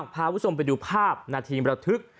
พาผู้ชมไปดูภาพนาธิงบรรทึก